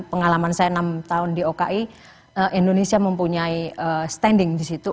pengalaman saya enam tahun di oki indonesia mempunyai standing di situ